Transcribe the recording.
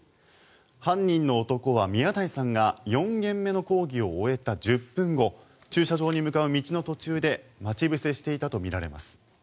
犯人の男は宮台さんが４限目の講義を終えた１０分後駐車場に向かう道の途中で待ち伏せしていたとみられます。